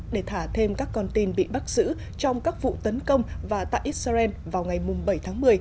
để thả thêm các con tin bị bắt giữ trong các vụ tấn công và tại israel vào ngày bảy tháng một mươi